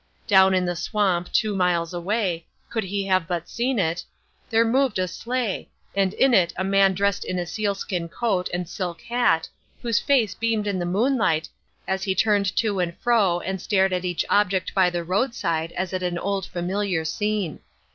Down in the swamp, two miles away, could he have but seen it, there moved a sleigh, and in it a man dressed in a sealskin coat and silk hat, whose face beamed in the moonlight as he turned to and fro and stared at each object by the roadside as at an old familiar scene.